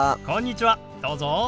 こんにちはどうぞ。